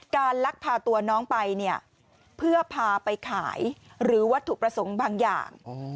ลักพาตัวน้องไปเนี่ยเพื่อพาไปขายหรือวัตถุประสงค์บางอย่าง